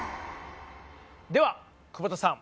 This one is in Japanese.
では久保田さん。